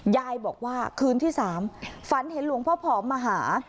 ยายบอกว่าคืนที่๓ฝันเห็นหลวงพ่อผอมมาหา